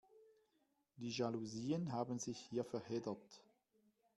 Die Jalousien haben sich hier verheddert.